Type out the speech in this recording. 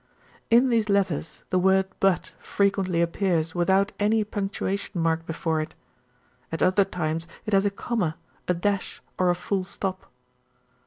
"In these letters the word 'but' frequently appears without any punctuation mark before it. At other times it has a comma, a dash, or a full stop."